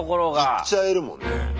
いっちゃえるもんね。